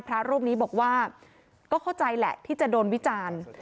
พระรูปนี้บอกว่าก็เข้าใจแหละที่จะโดนวิจารณ์